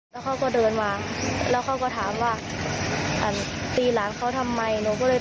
แล้วเขาก็เดินมาแล้วเขาก็ถามว่าตีหลานเขาทำไมหนูก็เลย